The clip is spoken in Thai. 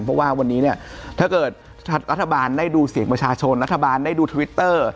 เพราะว่าวันนี้เนี่ยถ้าเกิดรัฐบาลได้ดูเสียงประชาชนรัฐบาลได้ดูทวิตเตอร์